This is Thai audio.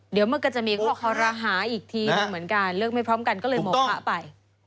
เดี๋ยวมันก็จะมีข้อคอรหาอีกทีหนึ่งเหมือนกันเลือกไม่พร้อมกันก็เลยโมคะไป